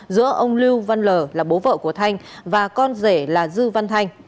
giữa ông lưu văn lờ là bố vợ của thanh và con rể là dư văn thanh